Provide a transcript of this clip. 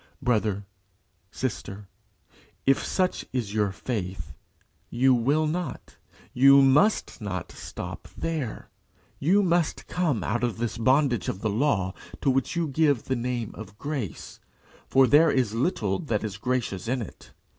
Brother, sister, if such is your faith, you will not, must not stop there. You must come out of this bondage of the law to which you give the name of grace, for there is little that is gracious in it.